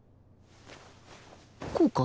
こうか？